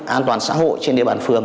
an toàn xã hội trên địa bàn phường